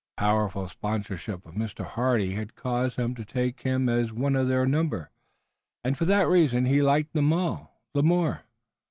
The powerful sponsorship of Mr. Hardy had caused them to take him in as one of their number, and for that reason he liked them all the more.